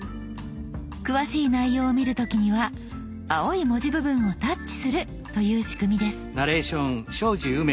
詳しい内容を見る時には青い文字部分をタッチするという仕組みです。